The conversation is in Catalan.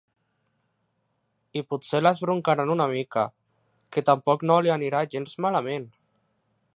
I potser l'esbroncaran una mica, que tampoc no li anirà gens malament.